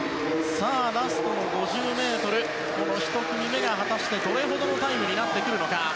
ラスト５０ｍ、１組目がどれほどのタイムになってくるか。